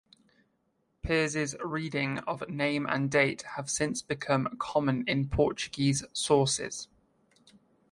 Peres's reading of name and date have since become common in Portuguese sources.